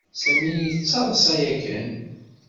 Sami yettaḍsa yakan.